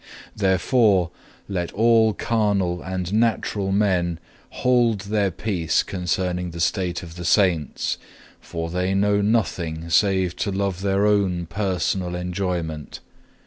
Therefore let all carnal and natural men hold their peace concerning the state of the Saints, for they know nothing save to love their own personal enjoyment.